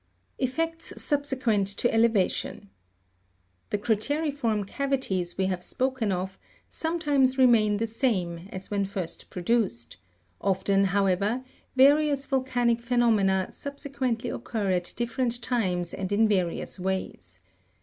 17. Effects subsequent to elevation. The crate'riform cavities we have spoken of sometimes remain tKe same as when first pro duced ; often, however, various volcanic phenomena subsequently occur at different times and in various ways.